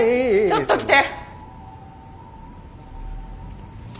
ちょっと来て！